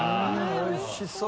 おいしそう。